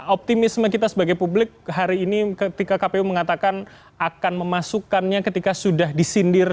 optimisme kita sebagai publik hari ini ketika kpu mengatakan akan memasukkannya ketika sudah disindir